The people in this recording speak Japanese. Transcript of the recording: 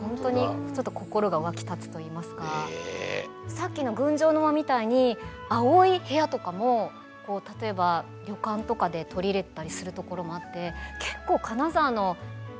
さっきの群青の間みたいに青い部屋とかも例えば旅館とかで取り入れたりするところもあって。